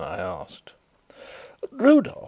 I asked. "Rudolf!"